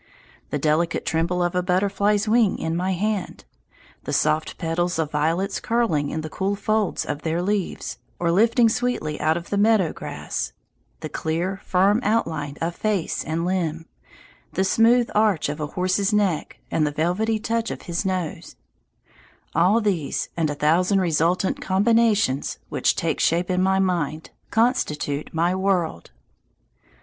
The delicate tremble of a butterfly's wings in my hand, the soft petals of violets curling in the cool folds of their leaves or lifting sweetly out of the meadow grass, the clear, firm outline of face and limb, the smooth arch of a horse's neck and the velvety touch of his nose all these, and a thousand resultant combinations, which take shape in my mind, constitute my world.